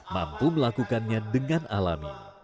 mampu melakukannya dengan alami